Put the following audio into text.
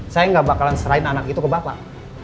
saya gak bakalan serain anak itu ke bapak